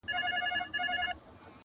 چاته وايی سخاوت دي یزداني دی؛